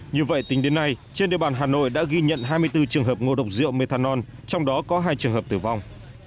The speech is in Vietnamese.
như vậy tính đến nay trên địa bàn hà nội đã ghi nhận hai mươi bốn trường hợp ngộ độc rượu methanol trong đó có hai trường hợp tử vong